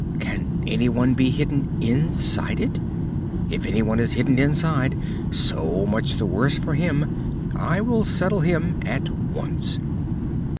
Can anyone be hidden inside it? If anyone is hidden inside, so much the worse for him. I will settle him at once."